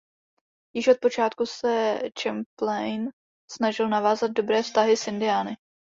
Již od počátku se Champlain snažil navázat dobré vztahy s Indiány.